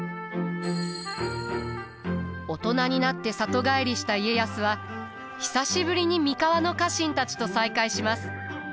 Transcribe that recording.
大人になって里帰りした家康は久しぶりに三河の家臣たちと再会します。